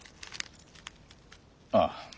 ああ。